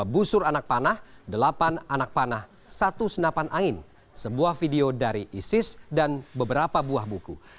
dua busur anak panah delapan anak panah satu senapan angin sebuah video dari isis dan beberapa buah buku